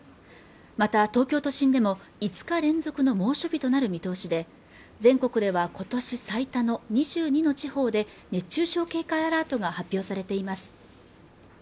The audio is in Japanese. また東京都心でも５日連続の猛暑日となる見通しで全国では今年最多の２２の地方で熱中症警戒アラートが発表されています